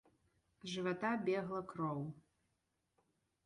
З жывата бегла кроў.